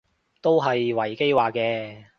都係維基話嘅